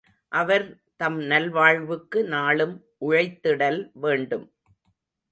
அவர் தம் நல்வாழ்வுக்கு நாளும் உழைத்திடல் வேண்டும்.